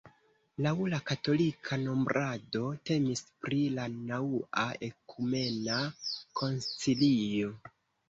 Laŭ la katolika nombrado temis pri la naŭa ekumena koncilio.